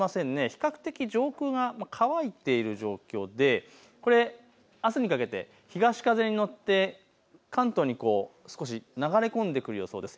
比較的上空は乾いてきている状況でこれあすにかけて東風に乗って関東に流れ込んでくる予想です。